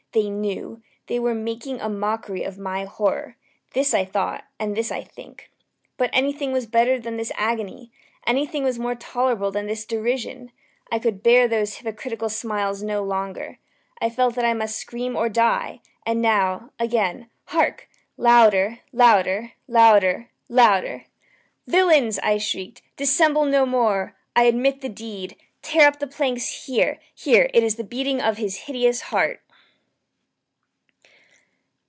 they knew! they were making a mockery of my horror! this I thought, and this I think. But anything was better than this agony! Anything was more tolerable than this derision! I could bear those hypocritical smiles no longer! I felt that I must scream or die! and now again! hark! louder! louder! louder! louder! "Villains!" I shrieked, "dissemble no more! I admit the deed! tear up the planks! here, here! It is the beating of his hideous heart!"